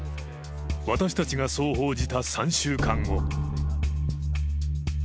私たちがそう報じた３週間後。